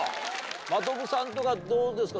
真飛さんとかどうですか？